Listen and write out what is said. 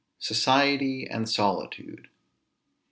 SOCIETY AND SOLITUDE.